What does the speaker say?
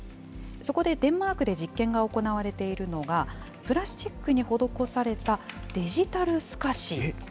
そこでデンマークで実験が行われているのが、プラスチックに施されたデジタル透かし。